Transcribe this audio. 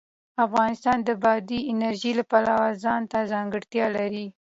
افغانستان د بادي انرژي د پلوه ځانته ځانګړتیا لري.